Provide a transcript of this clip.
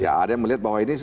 ya ada yang melihat bahwa ini